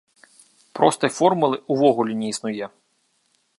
Простай формулы ўвогуле не існуе.